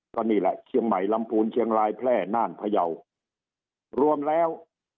ก็นี่แหละเชียงใหม่ลำพูนเชียงรายแพร่น่านพยาวรวมแล้ว